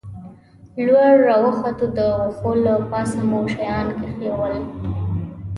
لوړ را وختو، د وښو له پاسه مو شیان کېښوول.